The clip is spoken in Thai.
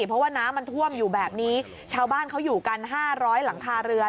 เพราะว่าน้ำมันท่วมอยู่แบบนี้ชาวบ้านเขาอยู่กันห้าร้อยหลังคาเรือน